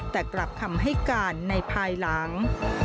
แต่กลับคำให้การในภายหลัง